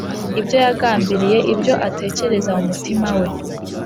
ibyo yagambiriye ibyo atekereza mu mutima we